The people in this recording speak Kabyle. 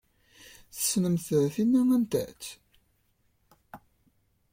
Tessnemt tin anta-tt?